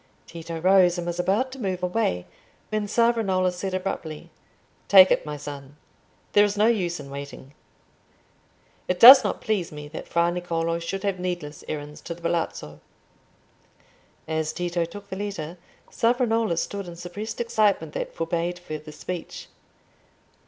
Tito rose and was about to move away, when Savonarola said abruptly—"Take it, my son. There is no use in waiting. It does not please me that Fra Niccolò should have needless errands to the Palazzo." As Tito took the letter, Savonarola stood in suppressed excitement that forbade further speech.